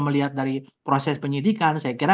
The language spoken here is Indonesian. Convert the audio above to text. melihat dari proses penyidikan saya kira